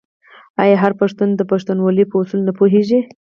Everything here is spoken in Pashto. آیا هر پښتون د پښتونولۍ په اصولو نه پوهیږي؟